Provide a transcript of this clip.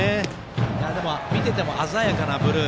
見ていても、鮮やかなブルー。